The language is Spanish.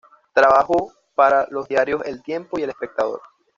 Trabajó para los diarios El Tiempo y El Espectador.